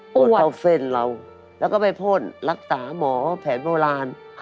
เข้าเส้นเราแล้วก็ไปพ่นรักษาหมอแผนโบราณ